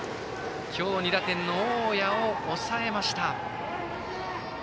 今日２打点、大矢を抑えました。